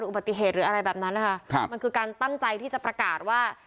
อุบัติเหตุหรืออะไรแบบนั้นนะคะครับมันคือการตั้งใจที่จะประกาศว่า